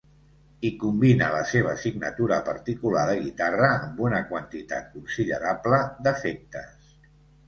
Hi combina la seva signatura particular de guitarra amb una quantitat considerable d'efectes.